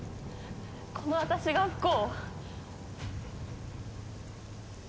この私が不幸？